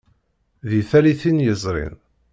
Deg tallitin yezrin.